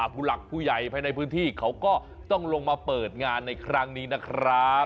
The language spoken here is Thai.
ผู้หลักผู้ใหญ่ภายในพื้นที่เขาก็ต้องลงมาเปิดงานในครั้งนี้นะครับ